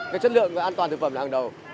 cái chất lượng và an toàn thực phẩm là hàng đầu